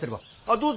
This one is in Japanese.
どうぞ。